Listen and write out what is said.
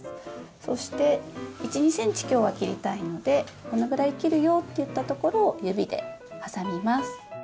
そして１２ｃｍきょうは切りたいのでこのぐらい切るよっていったところを指で挟みます。